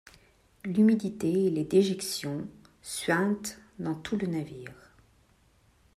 L'humidité et les déjections suintent dans tout le navire.